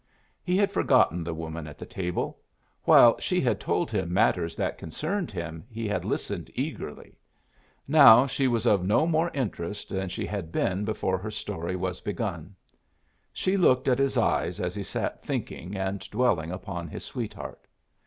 He had forgotten the woman at the table. While she had told him matters that concerned him he had listened eagerly. Now she was of no more interest than she had been before her story was begun. She looked at his eyes as he sat thinking and dwelling upon his sweetheart.